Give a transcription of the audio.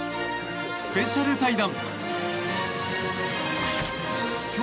スペシャル対談！